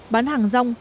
bán hàng rong